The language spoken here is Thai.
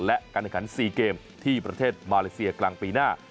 และการแข่งขัน๔เกมที่ประเทศมาเลเซียกลางปีหน้า